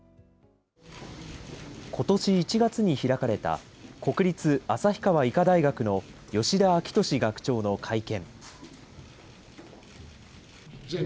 ことし１月に開かれた国立旭川医科大学の吉田晃敏学長の会見。